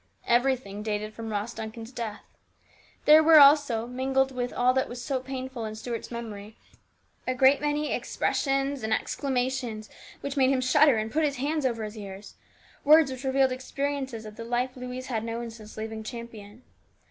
Everything dated from Ross Duncan's death. There were also, mingled with all that was so painful in Stuart's memory, a great many expressions and exclamations which made him shudder and put his hands over his ears, words which revealed experiences of the life Louise had known since leaving Champion.